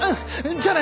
じゃあね！